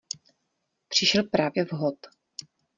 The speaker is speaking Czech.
Přišel právě vhod.